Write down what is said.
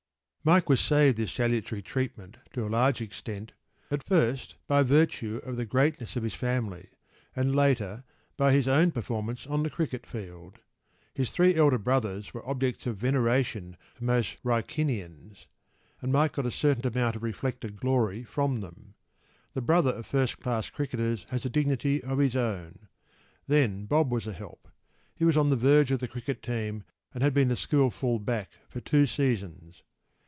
p> Mike was saved this salutary treatment to a large extent, at first by virtue of the greatness of his family, and, later, by his own performances on the cricket field.  His three elder brothers were objects of veneration to most Wrykynians, and Mike got a certain amount of reflected glory from them.  The brother of first class cricketers has a dignity of his own.  Then Bob was a help.  He was on the verge of the cricket team and had been the school full back for two seasons.